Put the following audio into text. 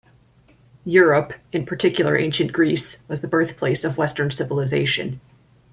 Europe, in particular ancient Greece, was the birthplace of Western civilization.